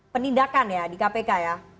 penindakan ya di kpk ya